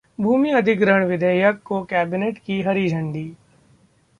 भूमि अधिग्रहण विधेयक को कैबिनेट की हरी झंडी